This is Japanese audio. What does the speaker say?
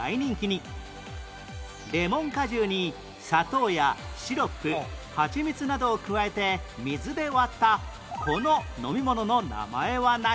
レモン果汁に砂糖やシロップ蜂蜜などを加えて水で割ったこの飲み物の名前は何？